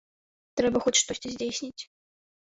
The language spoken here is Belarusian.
Трэба хоць штосьці здзейсніць.